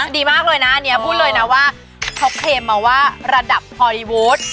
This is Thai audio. ดีมากเลยน่ะอันเนี้ยเพราะเขาเคมว่าระดับฮอลลี่วูด